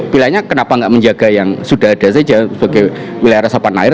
pilihannya kenapa nggak menjaga yang sudah ada saja sebagai wilayah resapan air